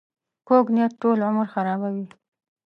کوږ نیت ټول عمر خرابوي